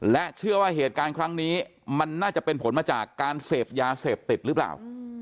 และเชื่อว่าเหตุการณ์ครั้งนี้มันน่าจะเป็นผลมาจากการเสพยาเสพติดหรือเปล่า